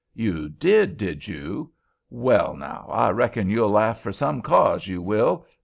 "You did, did you? Well, now, I reckon you'll laugh for some cause, you will.